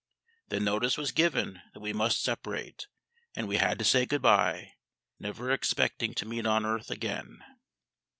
Then notice was given that we must separate, and we had to say good bye, never expecting to meet on earth again.